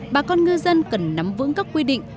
bà con ngư dân cần nắm vững các quy định